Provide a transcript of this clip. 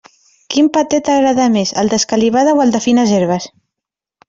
Quin paté t'agrada més, el d'escalivada o el de fines herbes?